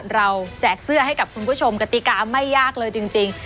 แจกเสื้อให้กับคุณผู้ชมกติกาไม่ยากเลยจริง